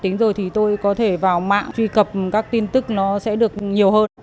tính rồi thì tôi có thể vào mạng truy cập các tin tức nó sẽ được nhiều hơn